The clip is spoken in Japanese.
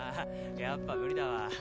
やっぱ無理だわ。